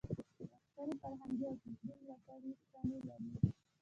غښتلې فرهنګي او فکري ملاتړې ستنې لري.